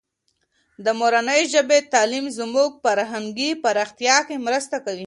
د مورنۍ ژبې تعلیم زموږ فرهنګي پراختیا کې مرسته کوي.